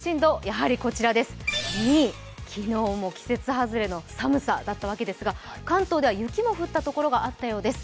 関心度２位、昨日も季節外れの寒さだったわけですが、関東では雪も降ったところがあったようです。